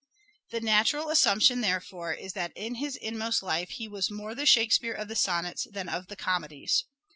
The natural assumption, therefore, is that in his inmost life he was more the Shakespeare of the sonnets than of the comedies.